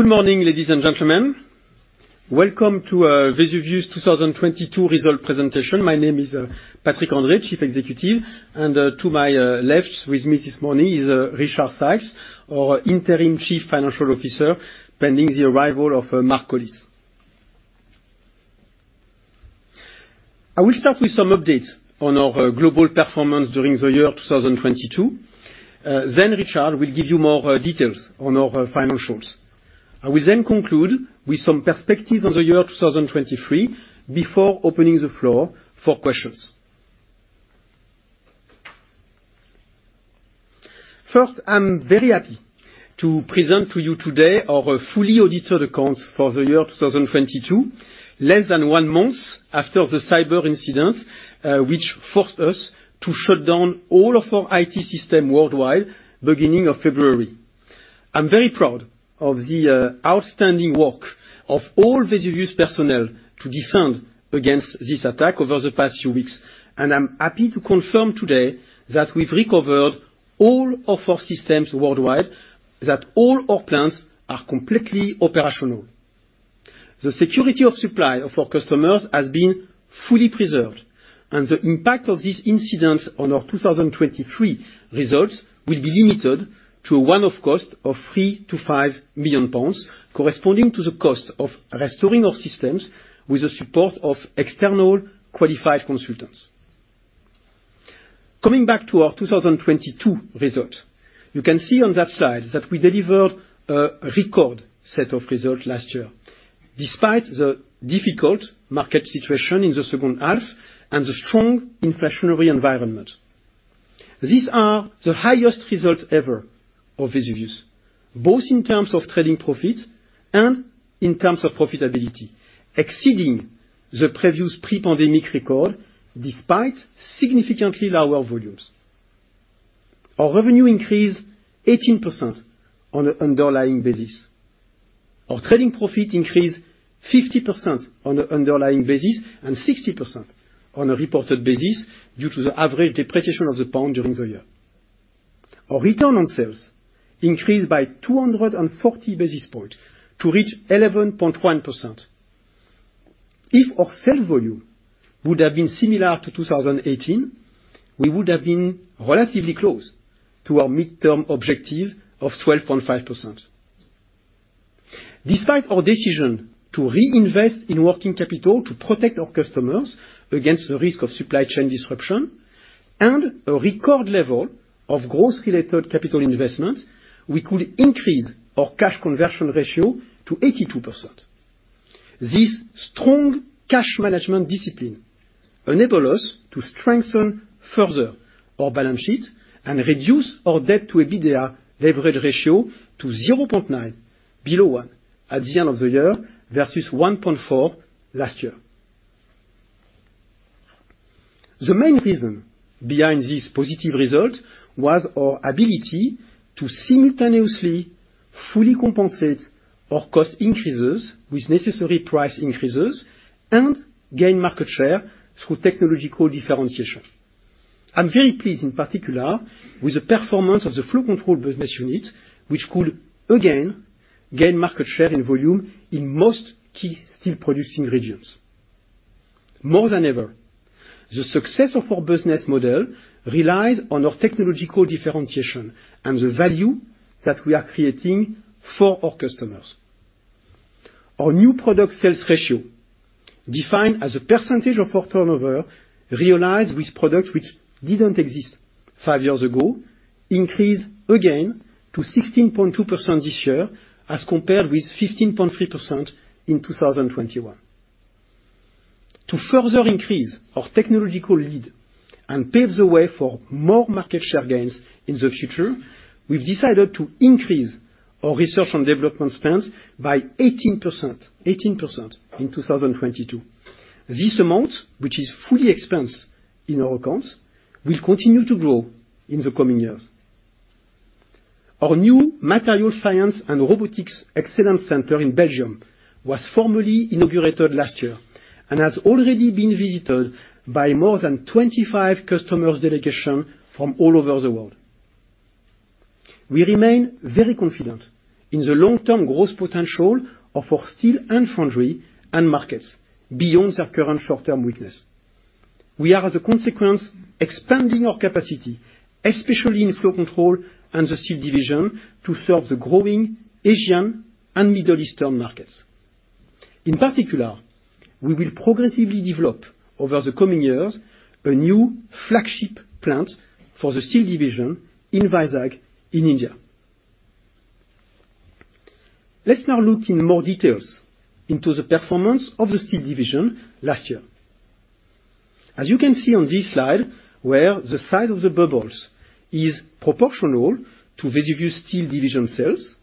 Good morning, ladies and gentlemen. Welcome to Vesuvius' 2022 Result Presentation. My name is Patrick André, Chief Executive, and to my left with me this morning is Richard Sykes, our Interim Chief Financial Officer, pending the arrival of Mark Collis. I will start with some updates on our global performance during the year 2022. Richard will give you more details on our financials. I will conclude with some perspectives on the year 2023 before opening the floor for questions. First, I'm very happy to present to you today our fully audited accounts for the year 2022, less than one month after the cyber incident, which forced us to shut down all of our IT system worldwide, beginning of February. I'm very proud of the outstanding work of all Vesuvius's personnel to defend against this attack over the past few weeks, and I'm happy to confirm today that we've recovered all of our systems worldwide, that all our plants are completely operational. The security of supply of our customers has been fully preserved, and the impact of this incident on our 2023 results will be limited to a one-off cost of 3 million-5 million pounds, corresponding to the cost of restoring our systems with the support of external qualified consultants. Coming back to our 2022 results, you can see on that slide that we delivered a record set of results last year, despite the difficult market situation in the 2nd half and the strong inflationary environment. These are the highest results ever of Vesuvius's, both in terms of trading profits and in terms of profitability, exceeding the previous pre-pandemic record despite significantly lower volumes. Our revenue increased 18% on an underlying basis. Our trading profit increased 50% on an underlying basis and 60% on a reported basis due to the average depreciation of the pound during the year. Our return on sales increased by 240 basis points to reach 11.1%. If our sales volume would have been similar to 2018, we would have been relatively close to our midterm objective of 12.5%. Despite our decision to reinvest in working capital to protect our customers against the risk of supply chain disruption and a record level of growth-related capital investment, we could increase our cash conversion ratio to 82%. This strong cash management discipline enable us to strengthen further our balance sheet and reduce our debt to EBITDA leverage ratio to 0.9, below one, at the end of the year versus 1.4 last year. The main reason behind this positive result was our ability to simultaneously fully compensate our cost increases with necessary price increases and gain market share through technological differentiation. I'm very pleased in particular with the performance of the Flow Control business unit, which could again gain market share and volume in most key steel producing regions. More than ever, the success of our business model relies on our technological differentiation and the value that we are creating for our customers. Our new product sales ratio, defined as a percentage of our turnover realized with product which didn't exist five years ago, increased again to 16.2% this year as compared with 15.3% in 2021. To further increase our technological lead and pave the way for more market share gains in the future, we've decided to increase our research and development spends by 18% in 2022. This amount, which is fully expensed in our accounts, will continue to grow in the coming years. Our new Material Science and Robotics Excellence Center in Belgium was formally inaugurated last year and has already been visited by more than 25 customers' delegation from all over the world. We remain very confident in the long-term growth potential of our steel and foundry end markets beyond their current short-term weakness. We are, as a consequence, expanding our capacity, especially in Flow Control and the Steel Division, to serve the growing Asian and Middle Eastern markets. In particular, we will progressively develop over the coming years a new flagship plant for the Steel Division in Vizag in India. Let's now look in more details into the performance of the Steel Division last year. As you can see on this slide, where the size of the bubbles is proportional to Vesuvius Steel Division sales,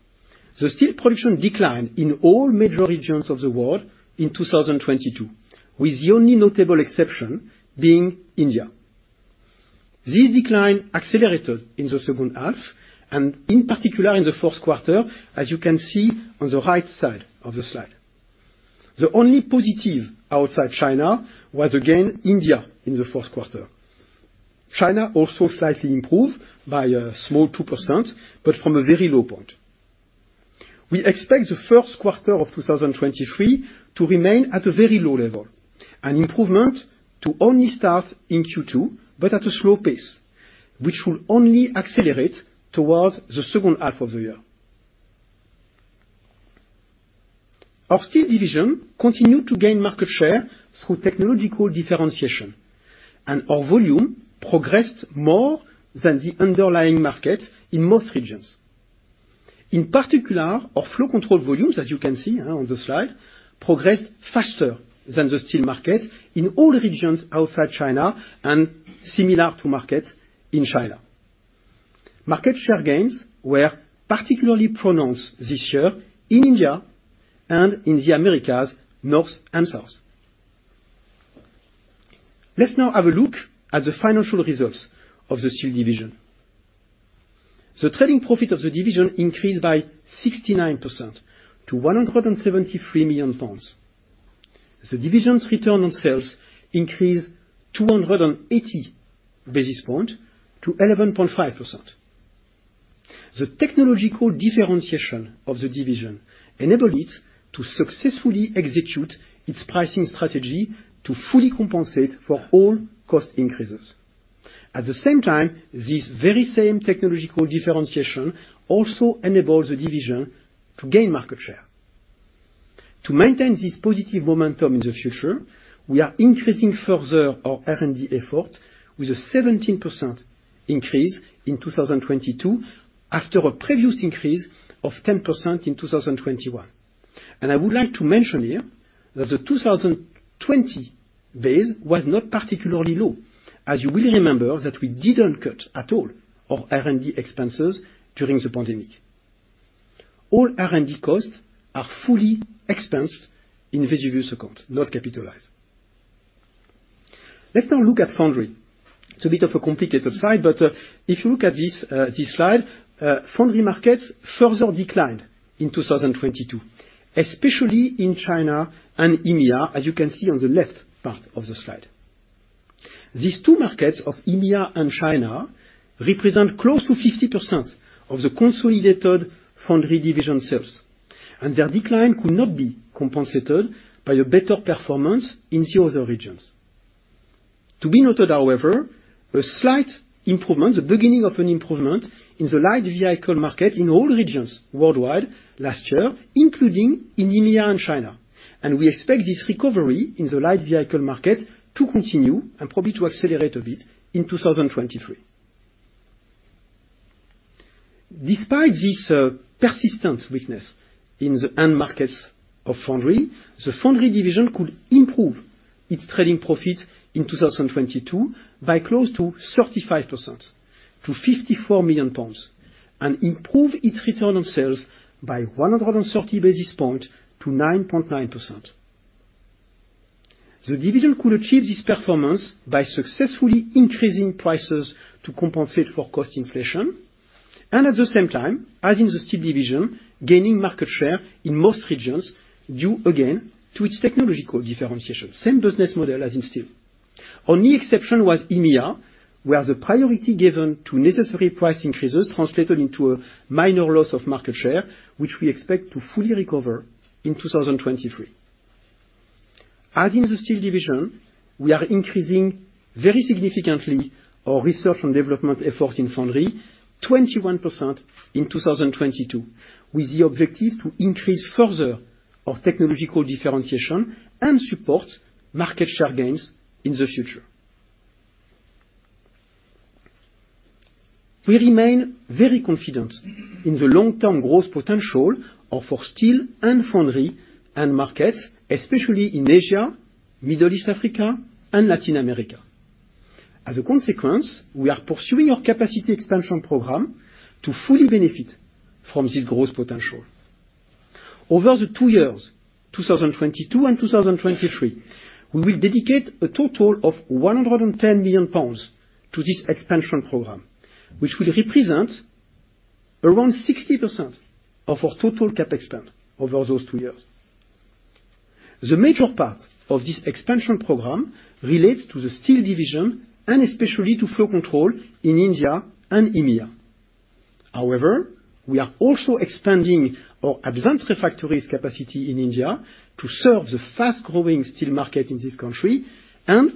the steel production declined in all major regions of the world in 2022, with the only notable exception being India. This decline accelerated in the second half and in particular in the 4th quarter, as you can see on the right side of the slide. The only positive outside China was again India in the 4th quarter. China also slightly improved by a small 2%, but from a very low point. We expect the 1st quarter of 2023 to remain at a very low level. An improvement to only start in Q2, but at a slow pace, which will only accelerate towards the 2nd half of the year. Our Steel Division continued to gain market share through technological differentiation, and our volume progressed more than the underlying market in most regions. In particular, our Flow Control volumes, as you can see, on the slide, progressed faster than the Steel market in all regions outside China and similar to market in China. Market share gains were particularly pronounced this year in India and in the Americas, north and south. Let's now have a look at the financial results of the Steel Division. The trading profit of the division increased by 69% to 173 million pounds. The division's return on sales increased 280 basis points to 11.5%. The technological differentiation of the division enabled it to successfully execute its pricing strategy to fully compensate for all cost increases. At the same time, this very same technological differentiation also enabled the division to gain market share. To maintain this positive momentum in the future, we are increasing further our R&D effort with a 17% increase in 2022 after a previous increase of 10% in 2021. I would like to mention here that the 2020 base was not particularly low, as you will remember that we didn't cut at all our R&D expenses during the pandemic. All R&D costs are fully expensed in Vesuvius account, not capitalized. Let's now look at Foundry. It's a bit of a complicated slide, but if you look at this slide, Foundry markets further declined in 2022, especially in China and India, as you can see on the left part of the slide. These two markets of India and China represent close to 50% of the consolidated Foundry Division sales, and their decline could not be compensated by a better performance in the other regions. To be noted, however, a slight improvement, the beginning of an improvement in the light vehicle market in all regions worldwide last year, including in India and China. We expect this recovery in the light vehicle market to continue and probably to accelerate a bit in 2023. Despite this, persistent weakness in the end markets of Foundry, the Foundry Division could improve its trading profit in 2022 by close to 35% to 54 million pounds and improve its return on sales by 130 basis points to 9.9%. The division could achieve this performance by successfully increasing prices to compensate for cost inflation, and at the same time, as in the Steel Division, gaining market share in most regions due again to its technological differentiation. Same business model as in Steel. Only exception was EMEA, where the priority given to necessary price increases translated into a minor loss of market share, which we expect to fully recover in 2023. As in the Steel Division, we are increasing very significantly our research and development efforts in Foundry, 21% in 2022, with the objective to increase further our technological differentiation and support market share gains in the future. We remain very confident in the long-term growth potential of our Steel and Foundry end markets, especially in Asia, Middle East, Africa and Latin America. As a consequence, we are pursuing our capacity expansion program to fully benefit from this growth potential. Over the two years, 2022 and 2023, we will dedicate a total of 110 million pounds to this expansion program, which will represent around 60% of our total capex spend over those two years. The major part of this expansion program relates to the Steel Division and especially to Flow Control in India and EMEA. We are also expanding our advanced refractories capacity in India to serve the fast-growing steel market in this country and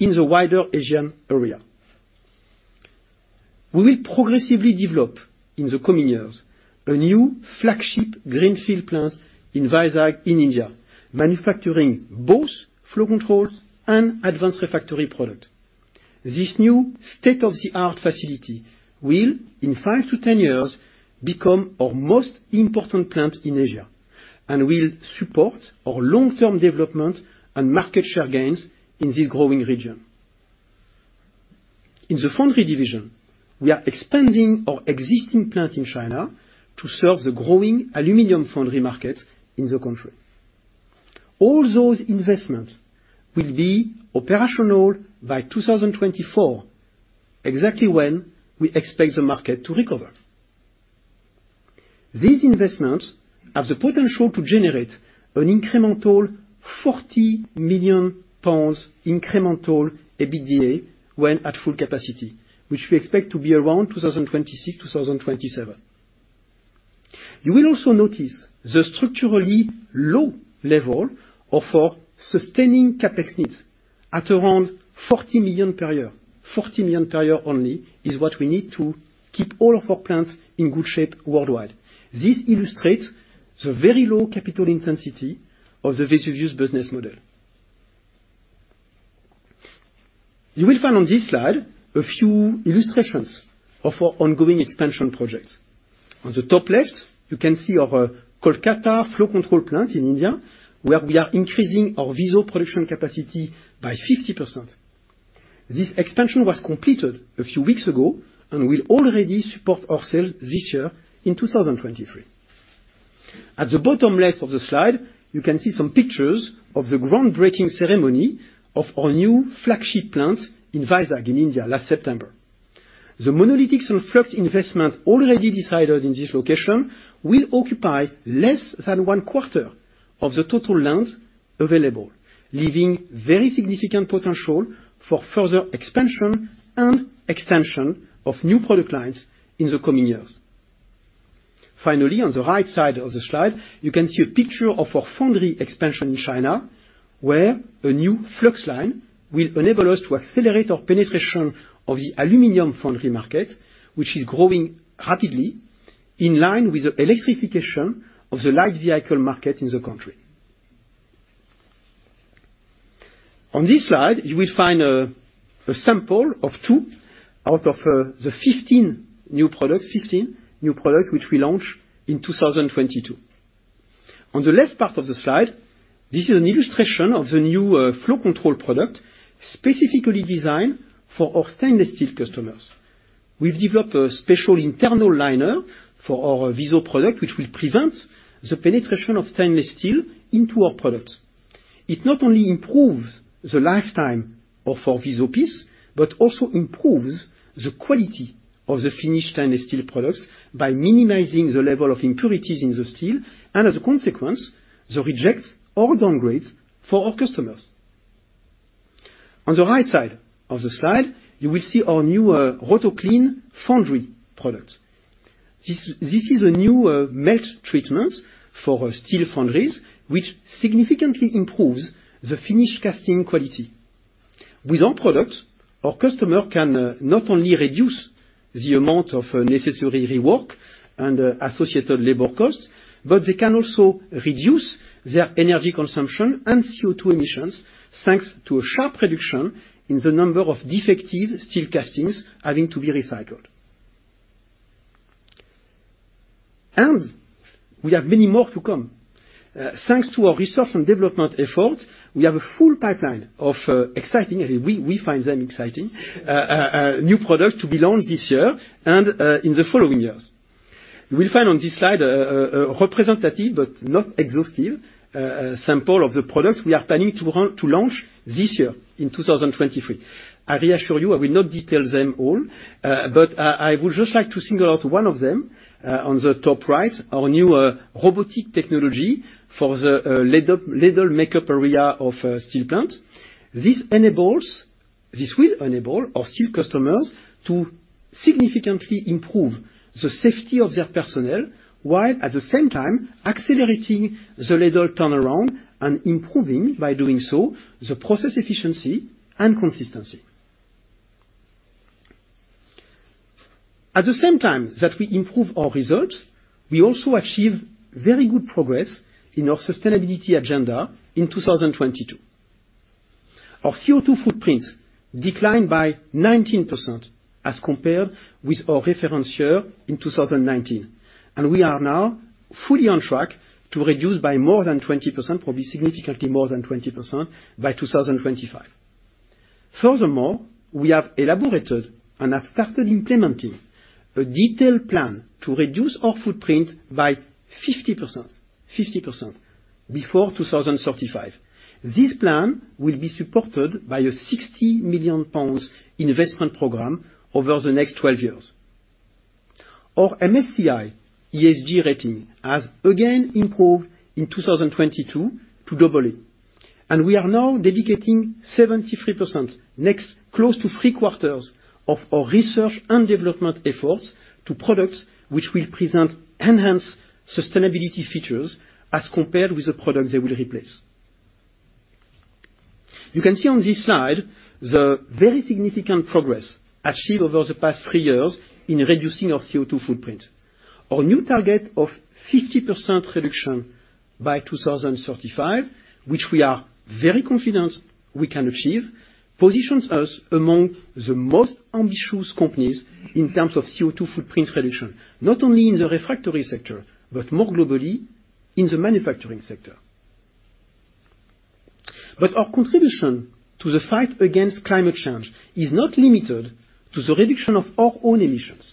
in the wider Asian area. We will progressively develop in the coming years a new flagship greenfield plant in Vizag in India, manufacturing both Flow Control and advanced refractory product. This new state-of-the-art facility will, in five to 10 years, become our most important plant in Asia and will support our long-term development and market share gains in this growing region. In the Foundry Division, we are expanding our existing plant in China to serve the growing aluminum foundry market in the country. All those investments will be operational by 2024, exactly when we expect the market to recover. These investments have the potential to generate an incremental 40 million pounds incremental EBITDA when at full capacity, which we expect to be around 2026, 2027. You will also notice the structurally low level of our sustaining CapEx needs at around 40 million per year. 40 million per year only is what we need to keep all of our plants in good shape worldwide. This illustrates the very low capital intensity of the Vesuvius business model. You will find on this slide a few illustrations of our ongoing expansion projects. On the top left, you can see our Kolkata Flow Control plant in India, where we are increasing our VISO production capacity by 50%. This expansion was completed a few weeks ago and will already support our sales this year in 2023. The bottom left of the slide, you can see some pictures of the groundbreaking ceremony of our new flagship plant in Vizag in India last September. The monolithic and flux investment already decided in this location will occupy less than one quarter of the total land available, leaving very significant potential for further expansion and extension of new product lines in the coming years. On the right side of the slide, you can see a picture of our foundry expansion in China, where a new flux line will enable us to accelerate our penetration of the aluminum foundry market, which is growing rapidly in line with the electrification of the light vehicle market in the country. On this slide, you will find a sample of two out of the 15 new products. 15 new products which we launched in 2022. On the left part of the slide, this is an illustration of the new Flow Control product specifically designed for our stainless steel customers. We've developed a special internal liner for our VISO product which will prevent the penetration of stainless steel into our products. It not only improves the lifetime of our VISO piece, but also improves the quality of the finished stainless steel products by minimizing the level of impurities in the steel and as a consequence, the reject or downgrade for our customers. On the right side of the slide, you will see our new Rotoclean Foundry product. This is a new melt treatment for steel foundries, which significantly improves the finish casting quality. With our product, our customer can not only reduce the amount of necessary rework and associated labor costs, but they can also reduce their energy consumption and CO2 emissions, thanks to a sharp reduction in the number of defective steel castings having to be recycled. We have many more to come. Thanks to our research and development efforts, we have a full pipeline of exciting, we find them exciting, new products to be launched this year and in the following years. You will find on this slide a representative but not exhaustive sample of the products we are planning to launch this year in 2023. I reassure you, I will not detail them all, I would just like to single out one of them, on the top right, our new robotic technology for the ladle makeup area of steel plants. This will enable our steel customers to significantly improve the safety of their personnel, while at the same time accelerating the ladle turnaround and improving, by doing so, the process efficiency and consistency. At the same time that we improve our results, we also achieve very good progress in our sustainability agenda in 2022. Our CO2 footprint declined by 19% as compared with our reference year in 2019. We are now fully on track to reduce by more than 20%, probably significantly more than 20% by 2025. We have elaborated and have started implementing a detailed plan to reduce our footprint by 50%. 50% before 2035. This plan will be supported by a 60 million pounds investment program over the next 12 years. Our MSCI ESG rating has again improved in 2022 to AA. We are now dedicating 73%, next close to three quarters of our research and development efforts to products which will present enhanced sustainability features as compared with the products they will replace. You can see on this slide the very significant progress achieved over the past three years in reducing our CO2 footprint. Our new target of 50% reduction by 2035, which we are very confident we can achieve, positions us among the most ambitious companies in terms of CO2 footprint reduction, not only in the refractory sector, but more globally in the manufacturing sector. Our contribution to the fight against climate change is not limited to the reduction of our own emissions.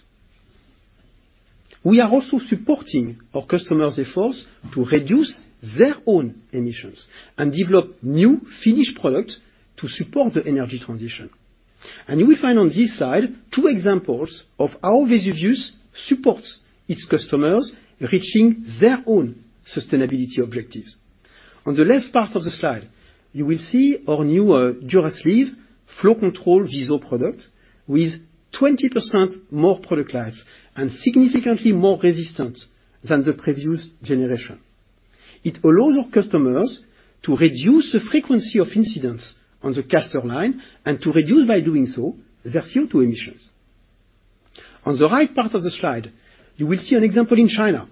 We are also supporting our customers' efforts to reduce their own emissions and develop new finished products to support the energy transition. You will find on this slide, two examples of how Vesuvius supports its customers reaching their own sustainability objectives. On the left part of the slide, you will see our new DuraSleeve flow control VISO product with 20% more product life and significantly more resistant than the previous generation. It allows our customers to reduce the frequency of incidents on the caster line and to reduce by doing so their CO2 emissions. On the right part of the slide, you will see an example in China,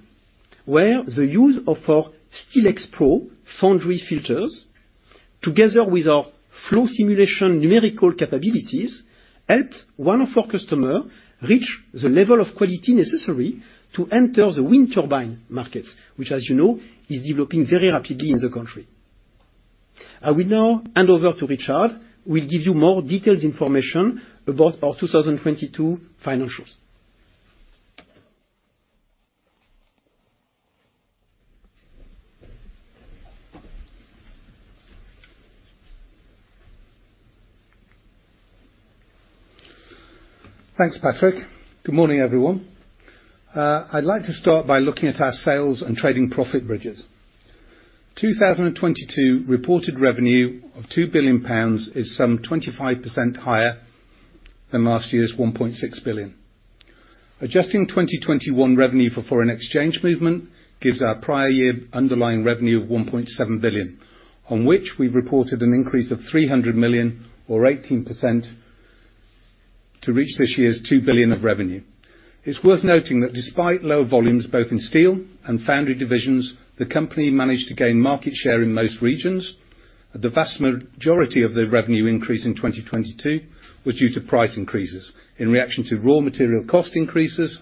where the use of our STELEX PrO foundry filters, together with our flow simulation numerical capabilities, helped one of our customer reach the level of quality necessary to enter the wind turbine markets, which as you know, is developing very rapidly in the country. I will now hand over to Richard, who will give you more detailed information about our 2022 financials. Thanks, Patrick. Good morning, everyone. I'd like to start by looking at our sales and trading profit bridges. 2022 reported revenue of 2 billion pounds is some 25% higher than last year's 1.6 billion. Adjusting 2021 revenue for foreign exchange movement gives our prior year underlying revenue of 1.7 billion, on which we reported an increase of 300 million or 18% to reach this year's 2 billion of revenue. It's worth noting that despite lower volumes both in Steel and Foundry Divisions, the company managed to gain market share in most regions. The vast majority of the revenue increase in 2022 was due to price increases in reaction to raw material cost increases,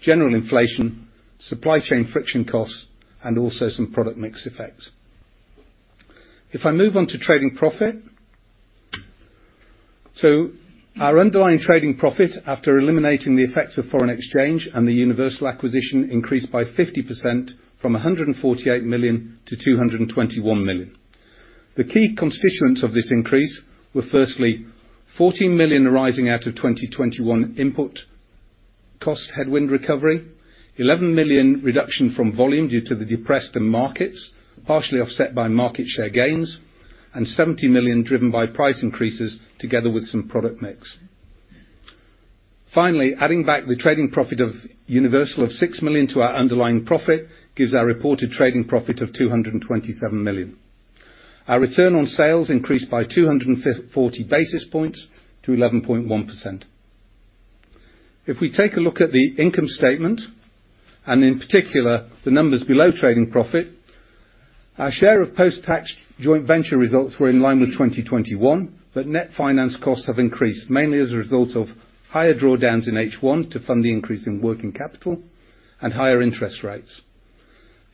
general inflation, supply chain friction costs, and also some product mix effects. I move on to trading profit. Our underlying trading profit after eliminating the effects of foreign exchange and the Universal acquisition increased by 50% from 148 million-221 million. The key constituents of this increase were firstly 14 million arising out of 2021 input cost headwind recovery, 11 million reduction from volume due to the depressed markets, partially offset by market share gains, and 70 million driven by price increases together with some product mix. Adding back the trading profit of Universal of 6 million to our underlying profit gives our reported trading profit of 227 million. Our return on sales increased by 240 basis points to 11.1%. If we take a look at the income statement, and in particular, the numbers below trading profit, our share of post-tax joint venture results were in line with 2021, but net finance costs have increased, mainly as a result of higher drawdowns in H1 to fund the increase in working capital and higher interest rates.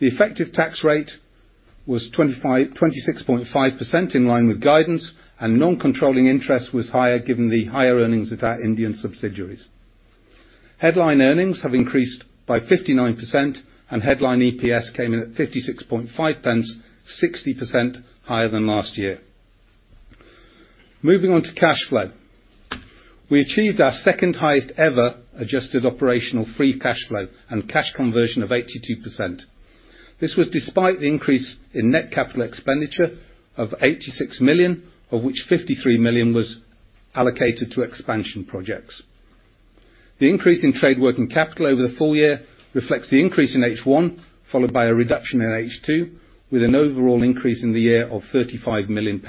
The effective tax rate was 25%-26.5% in line with guidance, non-controlling interest was higher, given the higher earnings at our Indian subsidiaries. Headline earnings have increased by 59%, headline EPS came in at 0.565, 60% higher than last year. Moving on to cash flow. We achieved our second-highest ever adjusted operational free cash flow and cash conversion of 82%. This was despite the increase in net capex of 86 million, of which 53 million was allocated to expansion projects. The increase in trade working capital over the full year reflects the increase in H1, followed by a reduction in H2, with an overall increase in the year of GBP 35 million.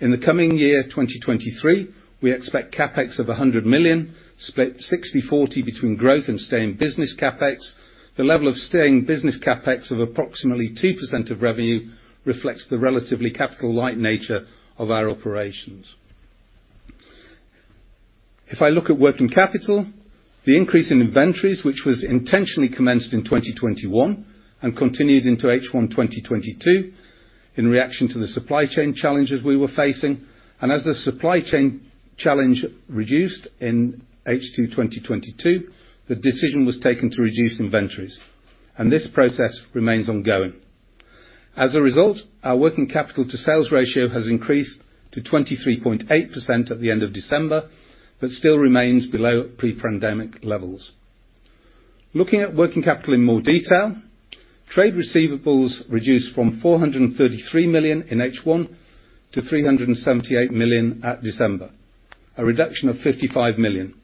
In the coming year, 2023, we expect CapEx of GBP 100 million, split 60/40 between growth and staying business CapEx. The level of staying business CapEx of approximately 2% of revenue reflects the relatively capital light nature of our operations. If I look at working capital, the increase in inventories, which was intentionally commenced in 2021 and continued into H1 2022 in reaction to the supply chain challenges we were facing, and as the supply chain challenge reduced in H2 2022, the decision was taken to reduce inventories, and this process remains ongoing. Our working capital to sales ratio has increased to 23.8% at the end of December, still remains below pre-pandemic levels. Looking at working capital in more detail, trade receivables reduced from 433 million in H1 to 378 million at December, a reduction of 55 million.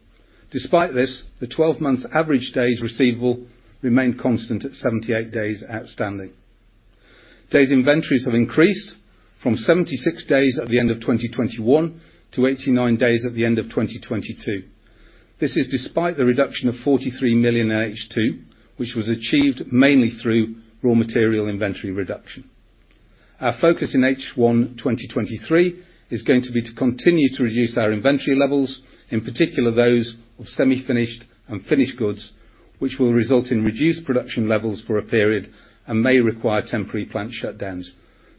Despite this, the 12-month average days receivable remained constant at 78 days outstanding. Days inventories have increased from 76 days at the end of 2021 to 89 days at the end of 2022. This is despite the reduction of 43 million at H2, which was achieved mainly through raw material inventory reduction. Our focus in H1 2023 is going to be to continue to reduce our inventory levels, in particular those of semi-finished and finished goods, which will result in reduced production levels for a period and may require temporary plant shutdowns.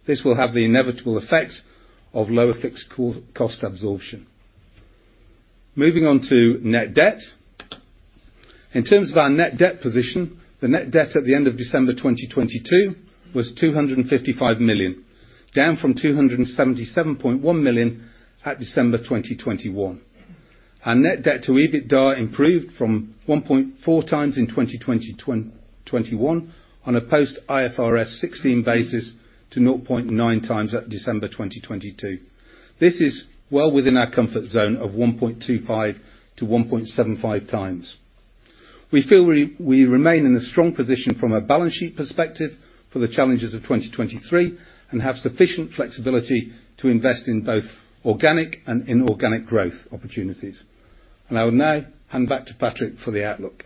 This will have the inevitable effect of lower fixed cost absorption. Moving on to net debt. In terms of our net debt position, the net debt at the end of December 2022 was 255 million, down from 277.1 million at December 2021. Our net debt to EBITDA improved from 1.4x in 2021 on a post IFRS 16 basis to 0.9x at December 2022. This is well within our comfort zone of 1.25x-1.75x. We feel we remain in a strong position from a balance sheet perspective for the challenges of 2023, and have sufficient flexibility to invest in both organic and inorganic growth opportunities. I will now hand back to Patrick for the outlook.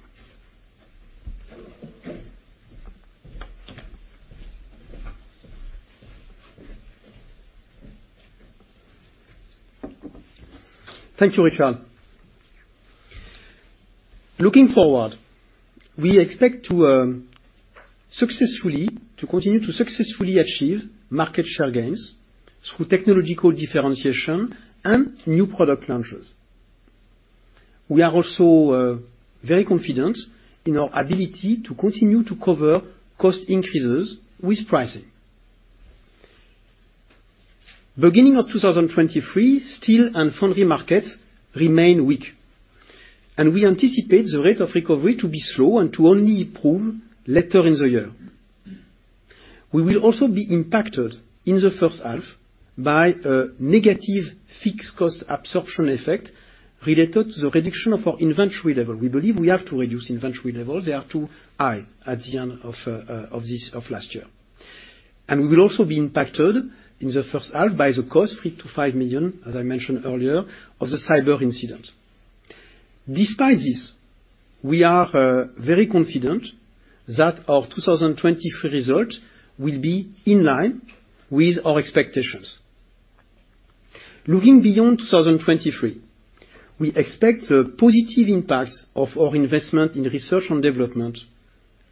Thank you, Richard. Looking forward, we expect to continue to successfully achieve market share gains through technological differentiation and new product launches. We are also very confident in our ability to continue to cover cost increases with pricing. Beginning of 2023, steel and foundry markets remain weak. We anticipate the rate of recovery to be slow and to only improve later in the year. We will also be impacted in the first half by a negative fixed cost absorption effect related to the reduction of our inventory level. We believe we have to reduce inventory levels, they are too high at the end of this, of last year. We will also be impacted in the 1st half by the cost, 3 million-5 million, as I mentioned earlier, of the cyber incident. Despite this, we are very confident that our 2023 results will be in line with our expectations. Looking beyond 2023, we expect the positive impact of our investment in research and development,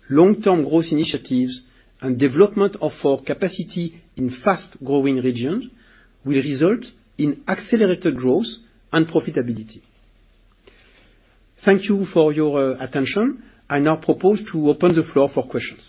long-term growth initiatives, and development of our capacity in fast-growing regions will result in accelerated growth and profitability. Thank you for your attention. I now propose to open the floor for questions.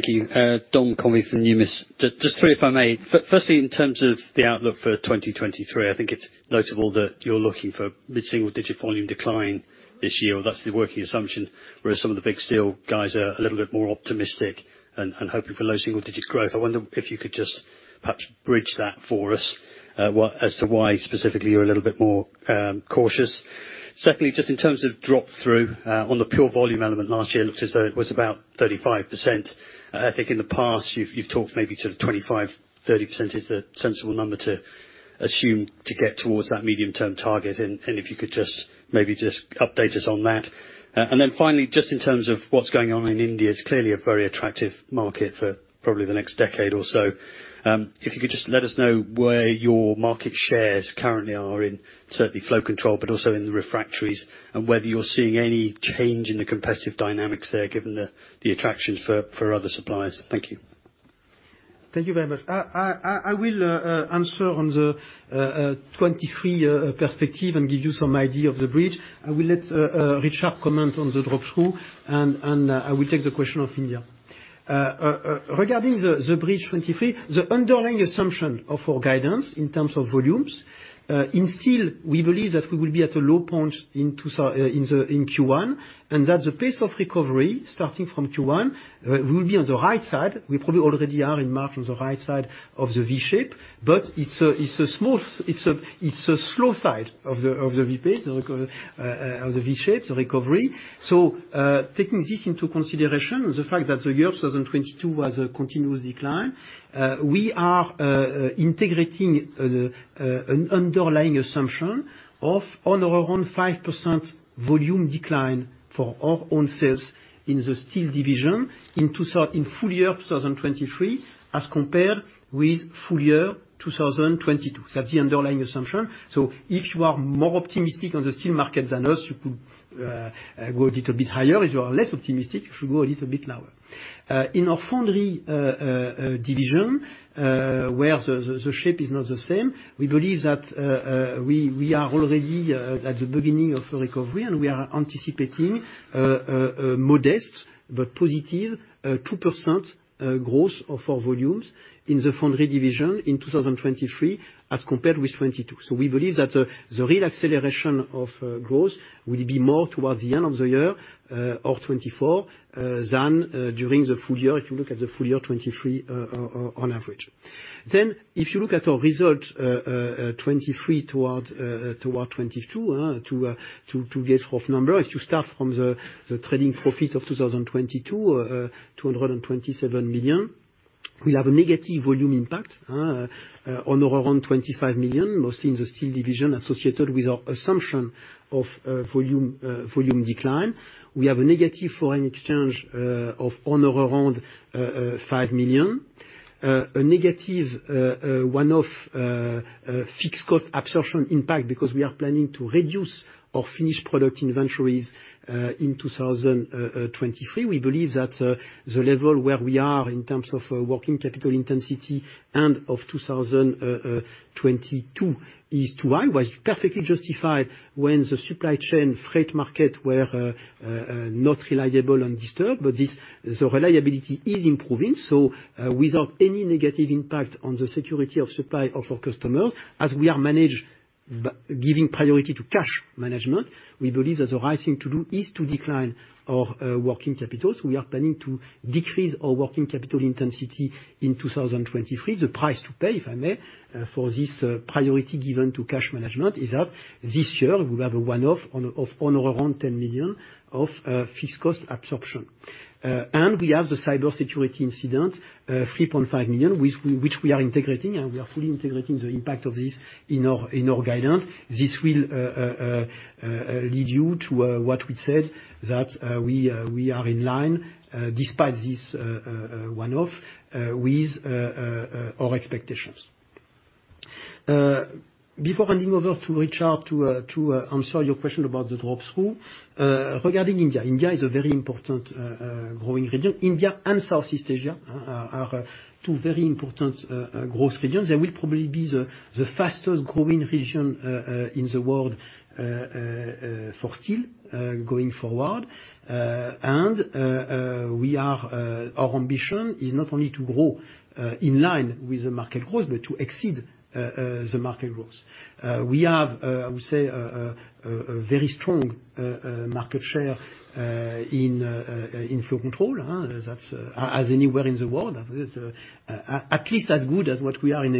Thank you. Dom Convey from Numis. Just three, if I may. Firstly, in terms of the outlook for 2023, I think it's notable that you're looking for mid-single digit volume decline this year, or that's the working assumption, whereas some of the big steel guys are a little bit more optimistic and hoping for low single digits growth. I wonder if you could just perhaps bridge that for us as to why specifically you're a little bit more cautious. Secondly, just in terms of drop-through on the pure volume element last year, it looks as though it was about 35%. I think in the past, you've talked maybe sort of 25%-30% is the sensible number to assume to get towards that medium term target and if you could just maybe update us on that. Finally, just in terms of what's going on in India, it's clearly a very attractive market for probably the next decade or so. If you could just let us know where your market shares currently are in certainly Flow Control, but also in the refractories, and whether you're seeing any change in the competitive dynamics there, given the attractions for other suppliers. Thank you. Thank you very much. I will answer on the 23 perspective and give you some idea of the bridge. I will let Richard comment on the drop-through, and I will take the question of India. Regarding the bridge 23, the underlying assumption of our guidance in terms of volumes in steel, we believe that we will be at a low point in Q1, and that the pace of recovery starting from Q1 will be on the right side. We probably already are in March on the right side of the V-shape, but it's a slow side of the V-pace of the V-shape, the recovery. Taking this into consideration, the fact that the year 2022 was a continuous decline, we are integrating an underlying assumption of around 5% volume decline for our own sales in the Steel Division in full year 2023 as compared with full year 2022. That's the underlying assumption. If you are more optimistic on the steel market than us, you could go a little bit higher. If you are less optimistic, you should go a little bit lower. In our Foundry Division, where the shape is not the same, we believe that we are already at the beginning of a recovery, and we are anticipating a modest but positive 2% growth of our volumes in the Foundry Division in 2023 as compared with 2022. We believe that the real acceleration of growth will be more towards the end of the year, or 2024, than during the full year, if you look at the full year 2023 on average. If you look at our results 2023 toward 2022, to get rough number. If you start from the trading profit of 2022, 227 million. We have a negative volume impact on or around 25 million, mostly in the Steel Division associated with our assumption of volume decline. We have a negative foreign exchange of on or around 5 million. A negative one-off fixed cost absorption impact because we are planning to reduce our finished product inventories in 2023. We believe that the level where we are in terms of working capital intensity end of 2022 is too high. Was perfectly justified when the supply chain freight market were not reliable and disturbed. This, the reliability is improving, without any negative impact on the security of supply of our customers, as we are managed by giving priority to cash management, we believe that the right thing to do is to decline our working capital. We are planning to decrease our working capital intensity in 2023. The price to pay, if I may, for this priority given to cash management is that this year we'll have a one-off on, of on or around 10 million of fixed cost absorption. We have the cybersecurity incident, 3.5 million, which we are integrating, and we are fully integrating the impact of this in our guidance. This will lead you to what we said, that we are in line, despite this one-off, with our expectations. Before handing over to Richard to answer your question about the drop-through. Regarding India is a very important growing region. India and Southeast Asia are two very important growth regions. They will probably be the fastest growing region in the world for steel going forward. We are, our ambition is not only to grow in line with the market growth but to exceed the market growth. We have, I would say, a very strong market share in flow control. That's as anywhere in the world. At least as good as what we are in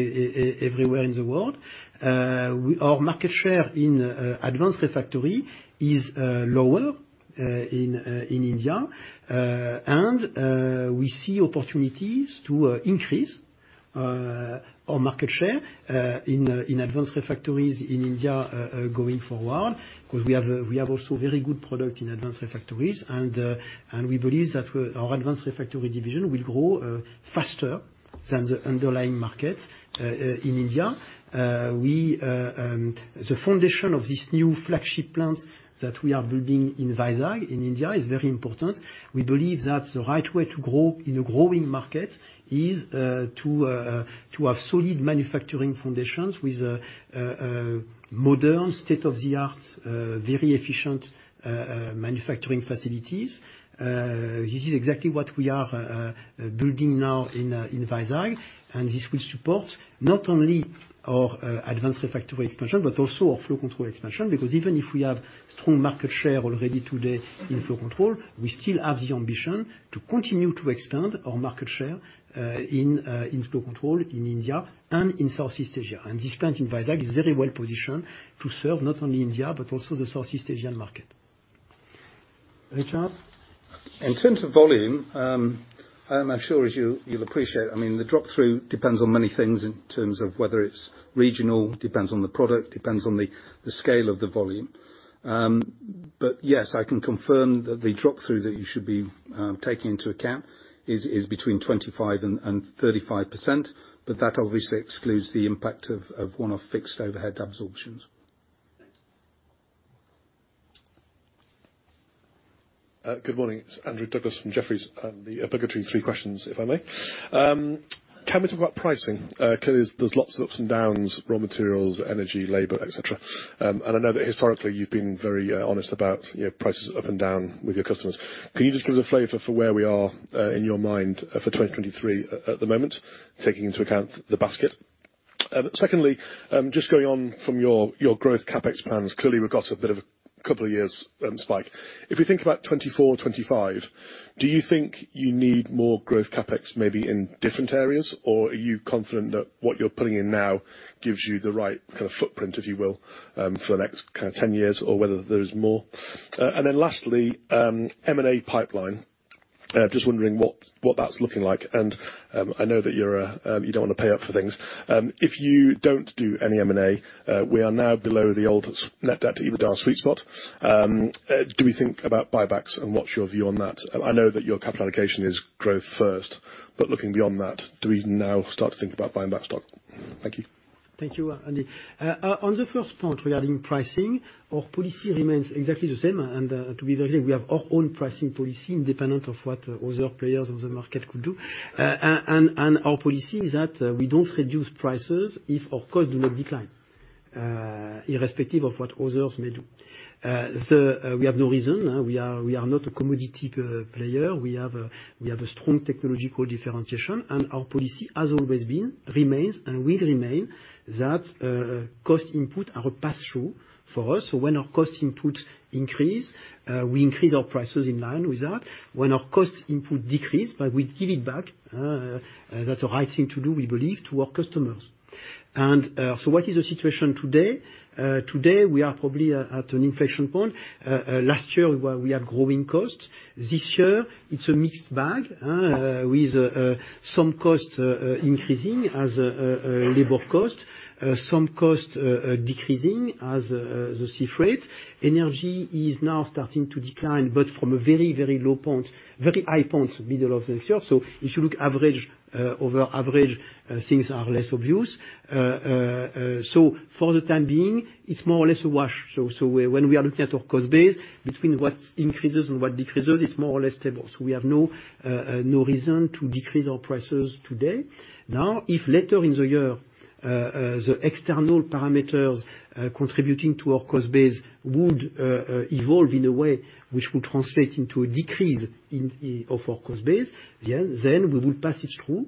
everywhere in the world. Our market share in Advanced Refractories is lower in India. We see opportunities to increase our market share in Advanced Refractories in India going forward, because we have also very good product in Advanced Refractories. We believe that our Advanced Refractories division will grow faster than the underlying market in India. We, the foundation of this new flagship plant that we are building in Vizag in India is very important. We believe that the right way to grow in a growing market is to have solid manufacturing foundations with modern, state-of-the-art, very efficient manufacturing facilities. This is exactly what we are building now in Vizag. This will support not only our Advanced Refractories expansion but also our Flow Control expansion, because even if we have strong market share already today in Flow Control, we still have the ambition to continue to expand our market share in Flow Control in India and in Southeast Asia. This plant in Vizag is very well positioned to serve not only India, but also the Southeast Asian market. Richard? In terms of volume, I'm sure as you'll appreciate, I mean the drop through depends on many things in terms of whether it's regional, depends on the product, depends on the scale of the volume. Yes, I can confirm that the drop through that you should be taking into account is between 25% and 35%, but that obviously excludes the impact of one-off fixed overhead absorptions. Thanks. Good morning. It's Andrew Douglas from Jefferies. The obligatory three questions, if I may. Can we talk about pricing? 'Cause there's lots of ups and downs, raw materials, energy, labor, et cetera. I know that historically you've been very honest about, you know, prices up and down with your customers. Can you just give us a flavor for where we are in your mind for 2023 at the moment, taking into account the basket? Secondly, just going on from your growth CapEx plans. Clearly, we've got a bit of a couple of years, spike. If you think about 2024, 2025, do you think you need more growth capex maybe in different areas, or are you confident that what you're putting in now gives you the right kind of footprint, if you will, for the next kind of 10 years, or whether there's more? Then lastly, M&A pipeline. Just wondering what that's looking like. I know that you're a, you don't want to pay up for things. If you don't do any M&A, we are now below the old net debt to EBITDA sweet spot. Do we think about buybacks and what's your view on that? I know that your capital allocation is growth first, but looking beyond that, do we now start to think about buying back stock? Thank you. Thank you, Andy. On the first point regarding pricing, our policy remains exactly the same. To be very clear, we have our own pricing policy independent of what other players in the market could do. Our policy is that we don't reduce prices if our costs do not decline, irrespective of what others may do. We have no reason. We are not a commodity player. We have a strong technological differentiation, and our policy has always been, remains, and will remain that cost input are a pass-through for us. When our cost inputs increase, we increase our prices in line with that. When our cost input decrease, but we give it back, that's the right thing to do, we believe, to our customers. What is the situation today? Today, we are probably at an inflection point. Last year we are growing costs. This year it's a mixed bag, with some costs increasing as labor costs, some costs decreasing as the sea freight. Energy is now starting to decline, but from a very low point, very high point middle of next year. If you look average over average, things are less obvious. For the time being, it's more or less a wash. When we are looking at our cost base between what increases and what decreases, it's more or less stable. We have no reason to decrease our prices today. Now, if later in the year, the external parameters contributing to our cost base would evolve in a way which would translate into a decrease of our cost base, then we will pass it through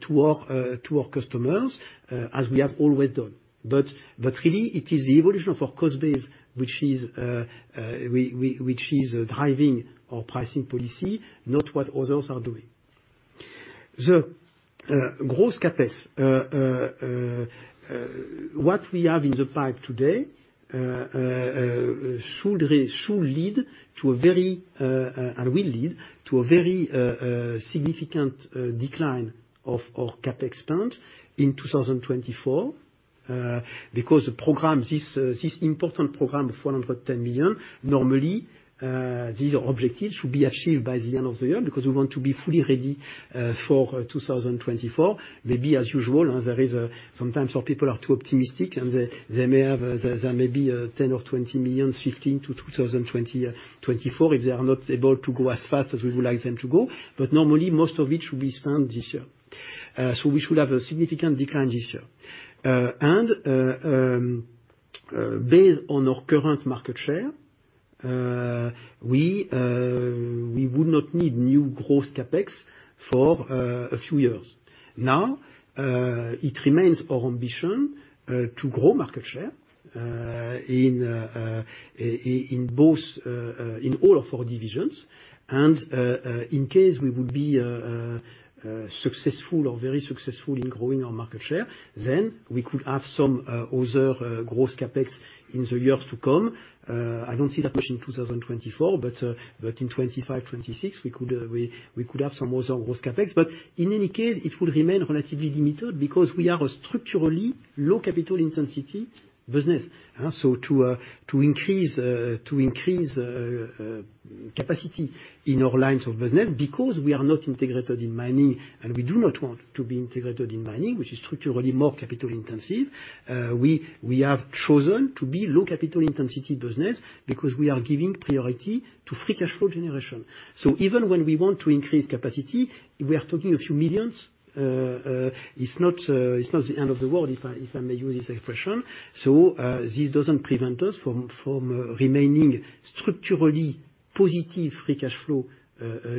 to our customers as we have always done. Really it is the evolution of our cost base, which is driving our pricing policy, not what others are doing. Gross CapEx. What we have in the pipe today should lead to a very and will lead to a very significant decline of our CapEx spend in 2024. Because the program, this important program of 410 million, normally, these objectives should be achieved by the end of the year because we want to be fully ready for 2024. Maybe as usual, there is sometimes our people are too optimistic and they may have, there may be 10 million or 20 million shifting to 2024 if they are not able to go as fast as we would like them to go. Normally most of it should be spent this year. We should have a significant decline this year. Based on our current market share, we would not need new gross CapEx for a few years now. It remains our ambition to grow market share in both in all of our divisions. In case we would be successful or very successful in growing our market share, we could have some other gross CapEx in the years to come. I don't see that much in 2024, but in 2025, 2026, we could have some other gross CapEx. In any case, it will remain relatively limited because we are a structurally low capital intensity business. To increase capacity in our lines of business because we are not integrated in mining and we do not want to be integrated in mining, which is structurally more capital intensive. We have chosen to be low-capital-intensity business because we are giving priority to free cash flow generation. Even when we want to increase capacity, we are talking a few millions. It's not the end of the world, if I may use this expression. This doesn't prevent us from remaining structurally positive free cash flow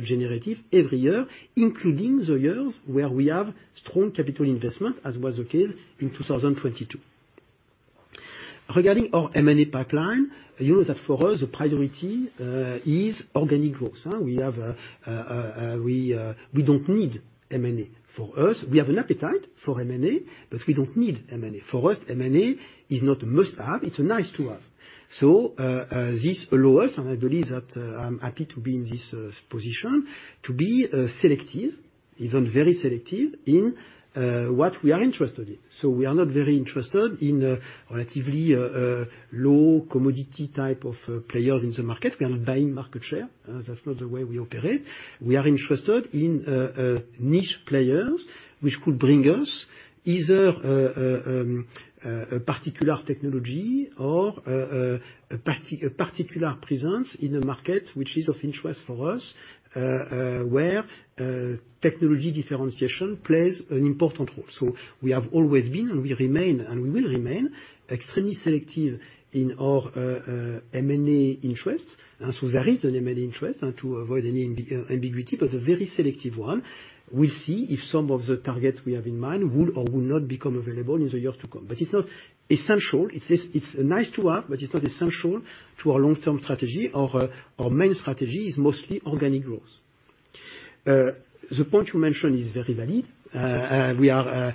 generative every year, including the years where we have strong capital investment, as was the case in 2022. Regarding our M&A pipeline, you know that for us the priority is organic growth. We don't need M&A. For us, we have an appetite for M&A, but we don't need M&A. For us, M&A is not a must have, it's a nice to have. This allows, and I believe that, I'm happy to be in this position, to be selective, even very selective in what we are interested in. We are not very interested in relatively low commodity type of players in the market. We are not buying market share. That's not the way we operate. We are interested in niche players, which could bring us either a particular technology or a particular presence in a market which is of interest for us, where technology differentiation plays an important role. We have always been, and we remain, and we will remain extremely selective in our M&A interest. There is an M&A interest and to avoid any ambiguity, but a very selective one. We'll see if some of the targets we have in mind will or will not become available in the years to come. It's not essential. It's nice to have, but it's not essential to our long-term strategy. Our main strategy is mostly organic growth. The point you mentioned is very valid. We are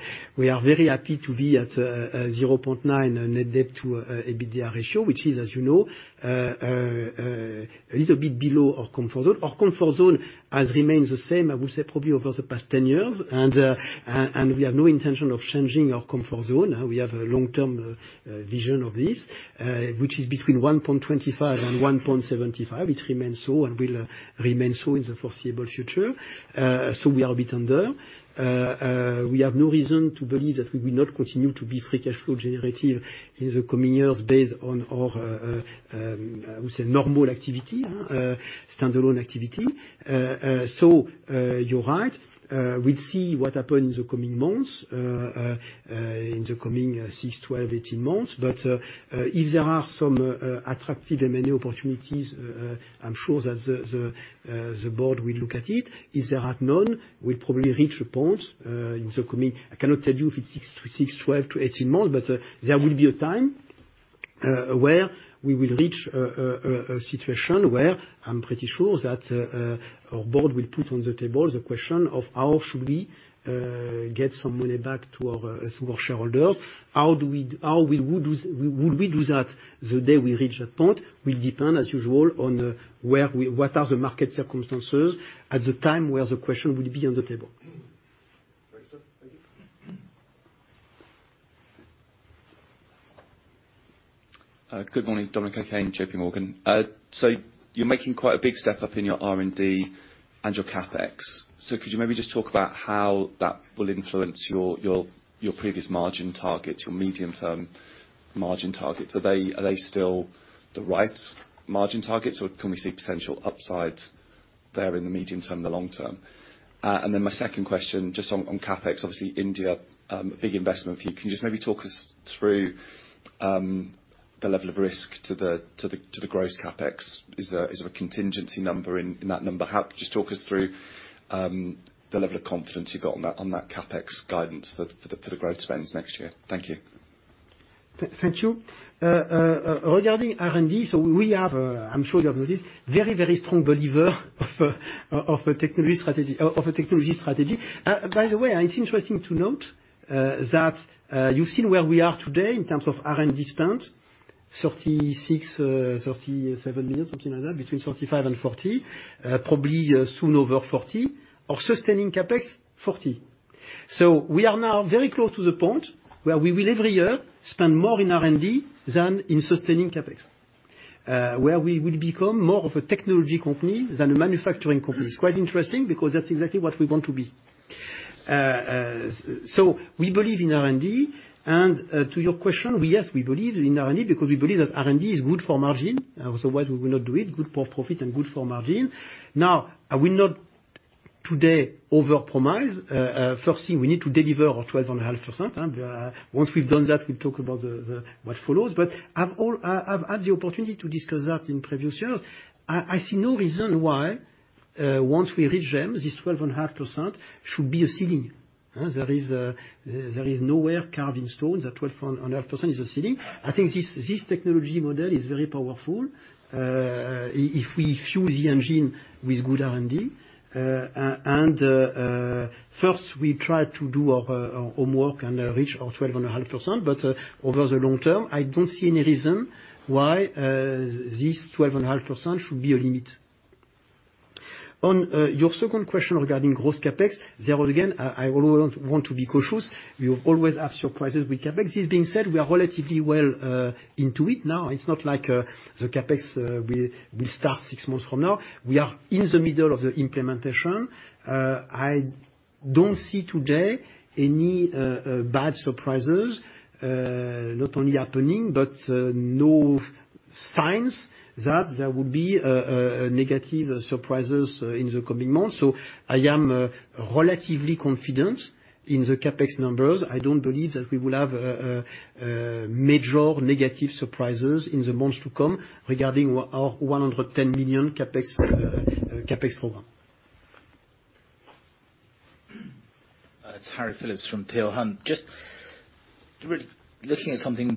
very happy to be at 0.9 net debt to EBITDA ratio, which is, as you know, a little bit below our comfort zone. Our comfort zone has remained the same, I would say, probably over the past 10 years. We have no intention of changing our comfort zone. We have a long-term vision of this, which is between 1.25 and 1.75. It remains so and will remain so in the foreseeable future. We are a bit under. We have no reason to believe that we will not continue to be free cash flow generative in the coming years based on our, I would say normal activity, standalone activity. You're right. We'll see what happens in the coming months, in the coming six, 12, 18 months. If there are some attractive M&A opportunities, I'm sure that the board will look at it. If there are none, we'll probably reach a point in the coming... I cannot tell you if it's six, 12, 18 months, but there will be a time where we will reach a situation where I'm pretty sure that our board will put on the table the question of how should we get some money back to our shareholders? How we would do that? The day we reach that point will depend, as usual, on where what are the market circumstances at the time where the question will be on the table. Great stuff. Thank you. Good morning. Dominic OKane, J.P. Morgan. You're making quite a big step up in your R&D and your CapEx. Could you maybe just talk about how that will influence your previous margin targets, your medium-term margin targets? Are they still the right margin targets, or can we see potential upside there in the medium-term and the long term? My second question, just on CapEx, obviously India, big investment for you. Can you just maybe talk us through the level of risk to the gross CapEx? Is there a contingency number in that number? Just talk us through the level of confidence you've got on that CapEx guidance for the growth spends next year. Thank you. Thank you. Regarding R&D, we are, I'm sure you have noticed, very strong believer of a technology strategy. By the way, it's interesting to note that you've seen where we are today in terms of R&D spend, 36 million, 37 million, something like that, between 35 million and 40 million, probably soon over 40 million. Our sustaining CapEx, 40 million. We are now very close to the point where we will every year spend more in R&D than in sustaining CapEx. Where we will become more of a technology company than a manufacturing company. It's quite interesting because that's exactly what we want to be. We believe in R&D. To your question, yes, we believe in R&D because we believe that R&D is good for margin, otherwise we would not do it, good for profit and good for margin. I will not today overpromise. First thing, we need to deliver our 12.5%. Once we've done that, we talk about the what follows. I've had the opportunity to discuss that in previous years. I see no reason why, once we reach them, this 12.5% should be a ceiling. There is nowhere carved in stone that 12.5% is a ceiling. I think this technology model is very powerful. If we fuel the engine with good R&D, and first we try to do our homework and reach our 12.5%. Over the long term, I don't see any reason why this 12.5% should be a limit. On your second question regarding gross CapEx, there again, I want to be cautious. We always have surprises with CapEx. This being said, we are relatively well into it now. It's not like the CapEx will start six months from now. We are in the middle of the implementation. I don't see today any bad surprises, not only happening, but no signs that there will be negative surprises in the coming months. I am relatively confident in the CapEx numbers. I don't believe that we will have major negative surprises in the months to come regarding our 110 million CapEx program. It's Harry Philips from Peel Hunt. Just really looking at something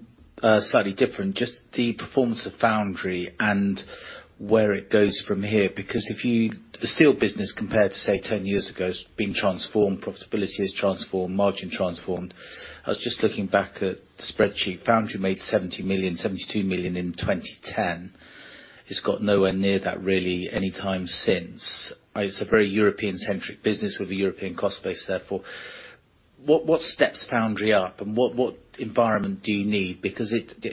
slightly different, just the performance of Foundry and where it goes from here. The steel business compared to, say, 10 years ago has been transformed, profitability has transformed, margin transformed. I was just looking back at the spreadsheet. Foundry made 70 million, 72 million in 2010. It's got nowhere near that really anytime since. It's a very European-centric business with a European cost base therefore. What steps Foundry up and what environment do you need? It,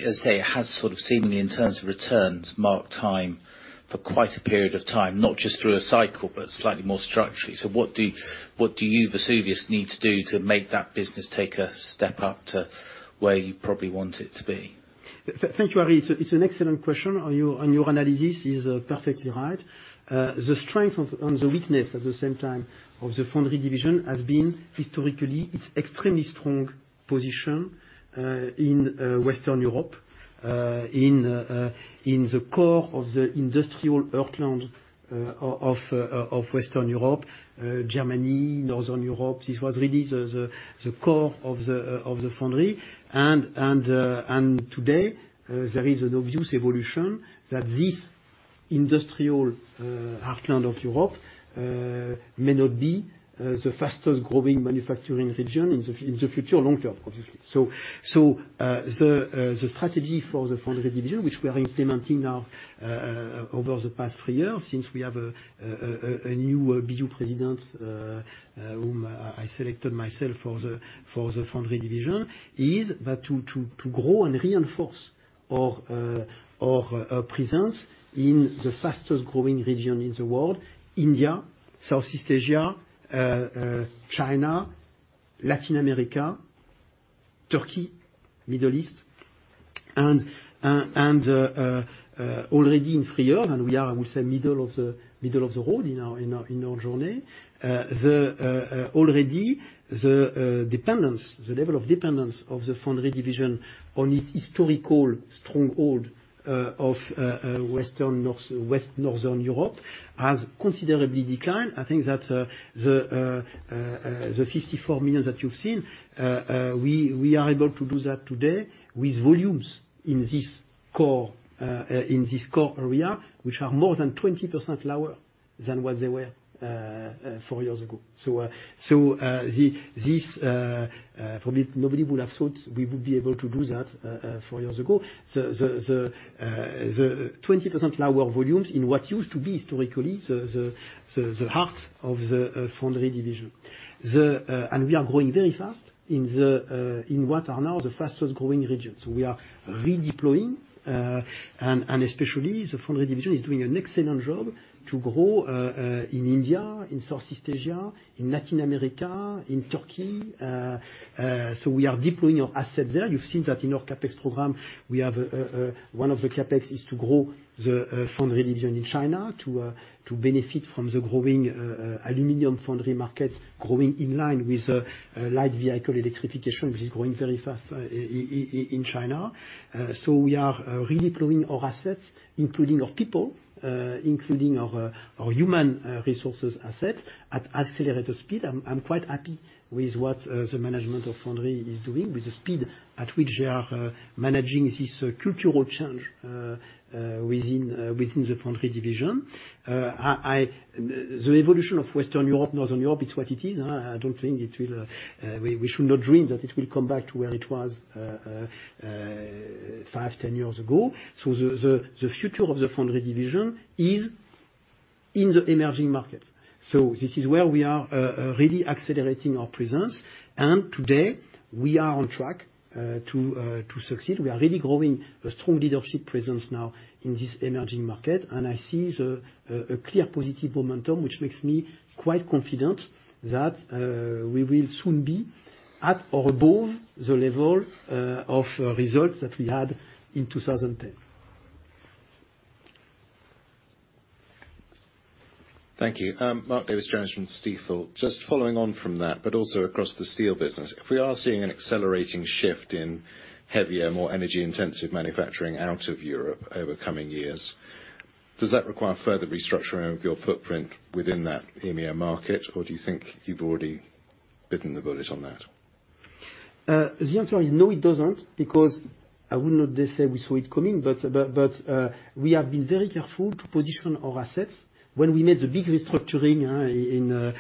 as I say, it has sort of seemingly in terms of returns marked time for quite a period of time, not just through a cycle, but slightly more structurally. What do you, Vesuvius, need to do to make that business take a step up to where you probably want it to be? Thank you, Harry. It's an excellent question and your analysis is perfectly right. The strength and the weakness at the same time of the Foundry Division has been historically its extremely strong position in Western Europe, in the core of the industrial heartland of Western Europe, Germany, Northern Europe. This was really the core of the Foundry. Today, there is an obvious evolution that this industrial heartland of Europe may not be the fastest growing manufacturing region in the future long term, obviously. The strategy for the Foundry Division, which we are implementing now, over the past three years since we have a new BU president, whom I selected myself for the Foundry Division, is to grow and reinforce our presence in the fastest growing region in the world, India, Southeast Asia, China, Latin America, Turkey, Middle East, and already in three years, and we are, I would say, middle of the road in our journey. Already the dependence, the level of dependence of the Foundry Division on its historical stronghold of Western Northern Europe has considerably declined. I think that, the 54 million that you've seen, we are able to do that today with volumes in this core area, which are more than 20% lower than what they were four years ago. This, for me, nobody would have thought we would be able to do that four years ago. The 20% lower volumes in what used to be historically the heart of the Foundry Division. We are growing very fast in what are now the fastest-growing regions. We are redeploying, and especially the Foundry Division is doing an excellent job to grow in India, in South East Asia, in Latin America, in Turkey. Uh, uh, so we are deploying our assets there. You've seen that in our CapEx program, we have, uh, uh, one of the CapEx is to grow the, uh, Foundry Division in China to, uh, to benefit from the growing, uh, uh, aluminum foundry market growing in line with, uh, light vehicle electrification, which is growing very fast in China. Uh, so we are, uh, redeploying our assets, including our people, uh, including our, our human resources asset at accelerator speed. I'm, I'm quite happy with what, uh, the management of Foundry is doing with the speed at which they are, uh, managing this cultural change, uh, uh, within, uh, within the Foundry Division. Uh, I, I... The evolution of Western Europe, Northern Europe, it's what it is. I, I don't think it will, uh... We should not dream that it will come back to where it was, five, 10 years ago. The future of the Foundry Division is in the emerging markets. This is where we are really accelerating our presence. Today, we are on track to succeed. We are really growing a strong leadership presence now in this emerging market. I see a clear positive momentum, which makes me quite confident that we will soon be at or above the level of results that we had in 2010. Thank you. Mark Davies-Jones, journalist from Stifel. Just following on from that, but also across the steel business, if we are seeing an accelerating shift in heavier, more energy-intensive manufacturing out of Europe over coming years, does that require further restructuring of your footprint within that EMEA market? Do you think you've already bitten the bullet on that? The answer is no, it doesn't, because I would not dare say we saw it coming, but, we have been very careful to position our assets. When we made the big restructuring, in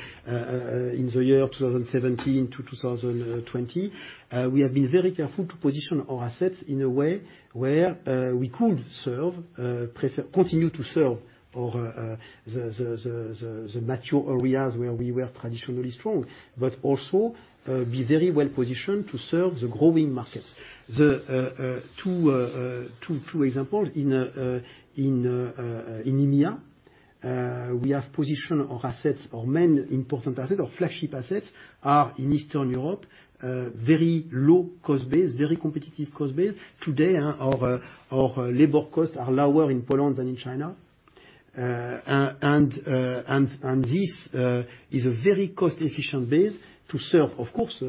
the year 2017 to 2020, we have been very careful to position our assets in a way where, we could serve, continue to serve or, the mature areas where we were traditionally strong. Also, be very well-positioned to serve the growing markets. The two examples in EMEA, we have positioned our assets or main important asset or flagship assets are in Eastern Europe, very low cost base, very competitive cost base. Today, our labor costs are lower in Poland than in China. This is a very cost-efficient base to serve, of course,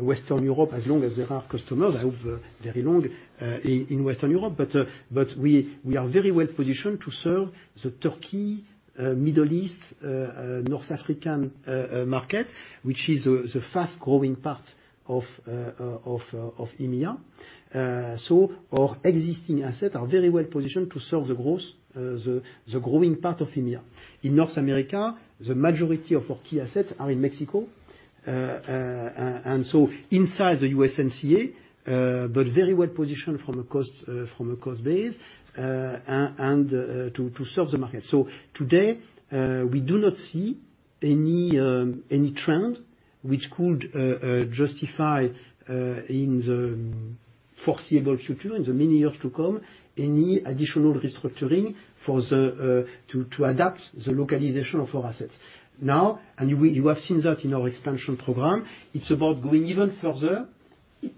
Western Europe, as long as there are customers, I hope very long, in Western Europe. We are very well-positioned to serve the Turkey, Middle East, North African market, which is the fast-growing part of EMEA. Our existing assets are very well-positioned to serve the growing part of EMEA. In North America, the majority of our key assets are in Mexico. Inside the USMCA, but very well-positioned from a cost base, and to serve the market. Today, we do not see any trend which could justify in the foreseeable future, in the many years to come, any additional restructuring for the to adapt the localization of our assets. Now, you have seen that in our expansion program, it's about going even further,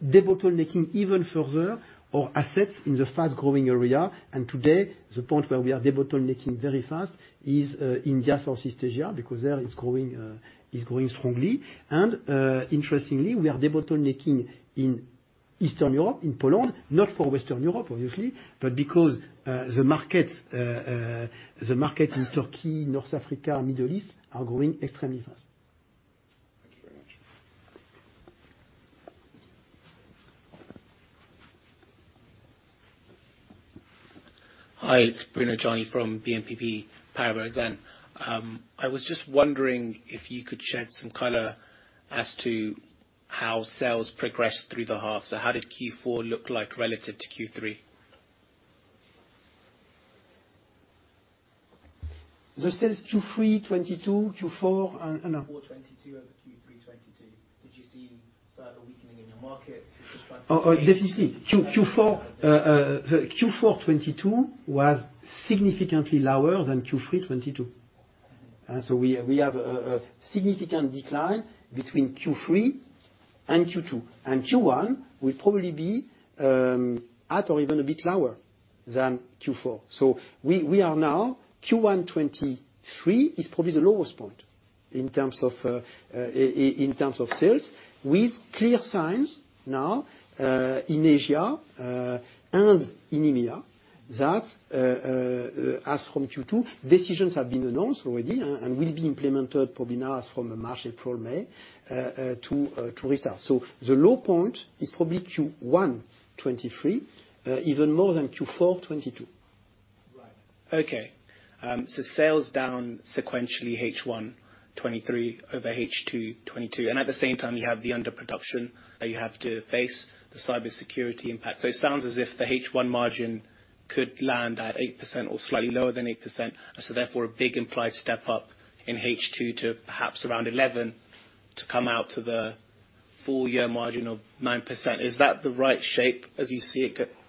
debottlenecking even further our assets in the fast-growing area. Today, the point where we are debottlenecking very fast is India, South East Asia, because there it's growing strongly. Interestingly, we are debottlenecking in Eastern Europe, in Poland, not for Western Europe, obviously, but because the markets in Turkey, North Africa, Middle East are growing extremely fast. Thank you very much. Hi, it's Bruno Gjani from BNP Paribas. I was just wondering if you could shed some color as to how sales progressed through the half. How did Q4 look like relative to Q3? The sales Q3 2022, Q4? Q4 2022 over Q3 2022. Did you see further weakening in your markets? Q4, the Q4 2022 was significantly lower than Q3 2022. So we have a significant decline between Q3 and Q2. Q1 will probably be at or even a bit lower than Q4. So we are now Q1 2023 is probably the lowest point in terms of in terms of sales, with clear signs now in Asia and in EMEA that as from Q2, decisions have been announced already and will be implemented probably now from March, April, May, to retail. So the low point is probably Q1 2023, even more than Q4 2022. Okay. Sales down sequentially H1 2023 over H2 2022. At the same time you have the underproduction that you have to face, the cybersecurity impact. It sounds as if the H1 margin could land at 8% or slightly lower than 8%, therefore, a big implied step up in H2 to perhaps around 11 to come out to the full year margin of 9%. Is that the right shape as you see it through next year?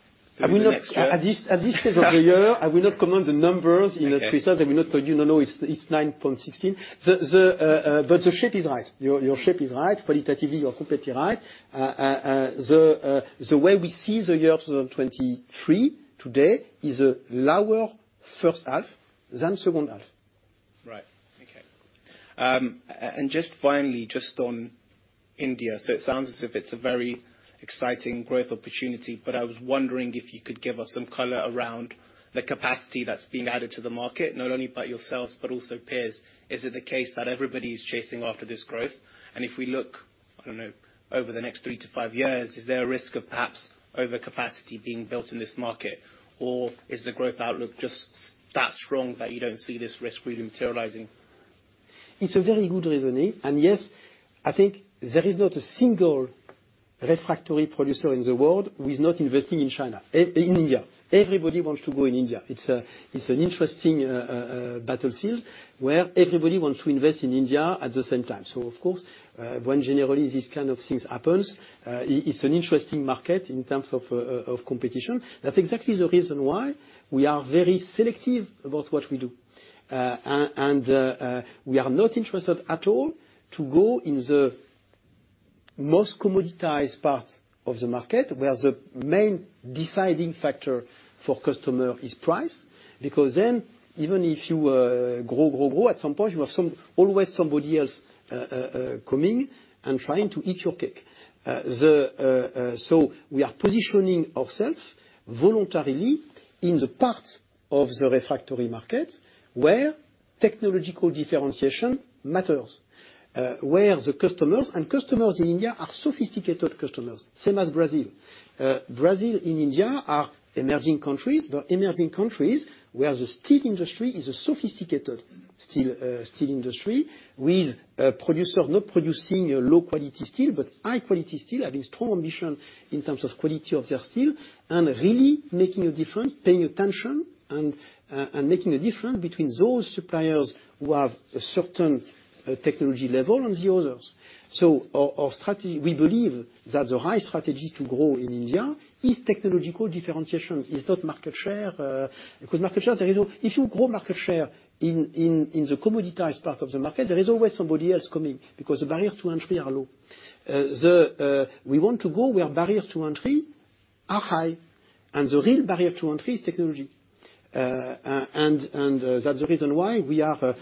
At this stage of the year, I will not comment the numbers in the 3rd quarter. Okay. I will not tell you no, it's 9.16. The shape is right. Your shape is right. Qualitatively, you're completely right. The way we see the year 2023 today is a lower 1st half than 2nd half. Right. Okay. Just finally, just on India. It sounds as if it's a very exciting growth opportunity, but I was wondering if you could give us some color around the capacity that's being added to the market, not only by yourselves, but also peers. Is it the case that everybody is chasing after this growth? If we look, I don't know, over the next three to five years, is there a risk of perhaps overcapacity being built in this market? Is the growth outlook just that strong that you don't see this risk really materializing? It's a very good reasoning. Yes, I think there is not a single refractory producer in the world who is not investing in China, in India. Everybody wants to go in India. It's an interesting battlefield where everybody wants to invest in India at the same time. Of course, when generally these kind of things happens, it's an interesting market in terms of competition. That's exactly the reason why we are very selective about what we do. And we are not interested at all to go in the most commoditized part of the market, where the main deciding factor for customer is price. Even if you grow, grow, at some point you have some, always somebody else coming and trying to eat your cake. We are positioning ourselves voluntarily in the parts of the refractory market where technological differentiation matters, where the customers, and customers in India are sophisticated customers, same as Brazil. Brazil and India are emerging countries, but emerging countries where the steel industry is a sophisticated steel industry, with producer not producing a low-quality steel but high-quality steel, having strong ambition in terms of quality of their steel. Really making a difference, paying attention and making a difference between those suppliers who have a certain technology level and the others. Our strategy, we believe that the right strategy to grow in India is technological differentiation. It's not market share, because market share there is... If you grow market share in the commoditized part of the market, there is always somebody else coming because the barriers to entry are low. The, we want to go where barriers to entry are high, and the real barrier to entry is technology. That's the reason why we are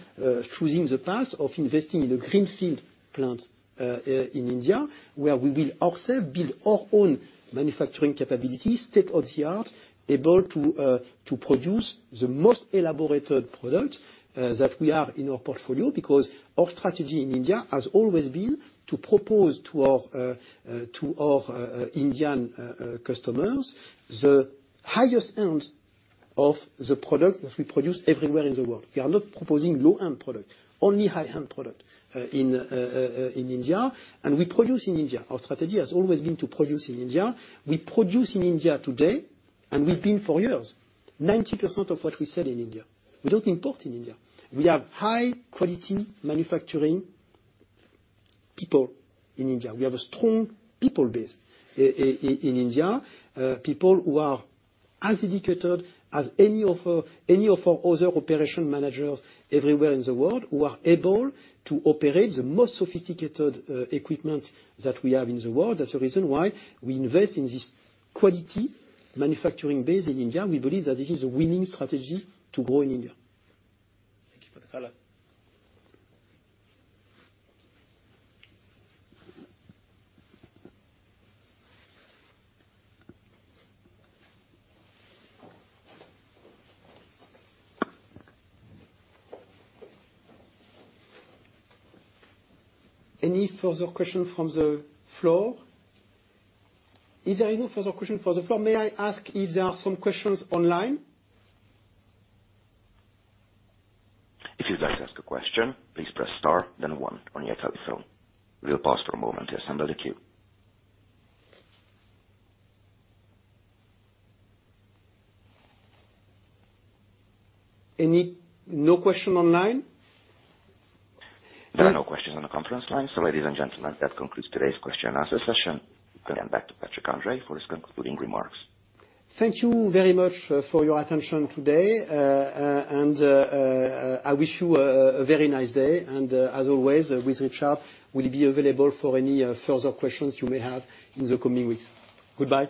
choosing the path of investing in a greenfield plant in India, where we will also build our own manufacturing capabilities, state-of-the-art, able to produce the most elaborated product that we have in our portfolio. Our strategy in India has always been to propose to our Indian customers the highest end of the product that we produce everywhere in the world. We are not proposing low-end product, only high-end product in India, and we produce in India. Our strategy has always been to produce in India. We produce in India today, and we've been for years. 90% of what we sell in India we don't import in India. We have high quality manufacturing people in India. We have a strong people base in India. People who are as dedicated as any of our other operational managers everywhere in the world who are able to operate the most sophisticated equipment that we have in the world. That's the reason why we invest in this quality manufacturing base in India. We believe that this is a winning strategy to grow in India. Thank you for the color. Any further question from the floor? If there is no further question from the floor, may I ask if there are some questions online? If you'd like to ask a question, please press star then one on your telephone. We'll pause for a moment to assemble the queue. No question online? There are no questions on the conference line. Ladies and gentlemen, that concludes today's question and answer session. I hand back to Patrick André for his concluding remarks. Thank you very much for your attention today. I wish you a very nice day. As always, Richard Scharff will be available for any further questions you may have in the coming weeks. Goodbye.